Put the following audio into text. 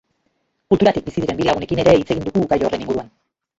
Kulturatik bizi diren bi lagunekin ere hitz egin dugu gai honen inguruan.